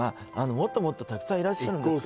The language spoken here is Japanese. もっともっとたくさんいらっしゃるんですよ